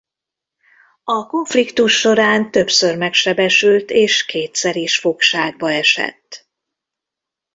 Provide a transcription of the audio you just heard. A konfliktus során többször megsebesült és kétszer is fogságba esett.